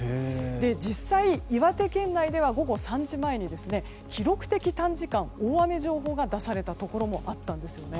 実際岩手県内では午後３時前に記録的短時間大雨情報が出されたところもあったんです。